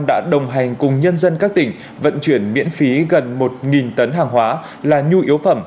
đã đồng hành cùng nhân dân các tỉnh vận chuyển miễn phí gần một tấn hàng hóa là nhu yếu phẩm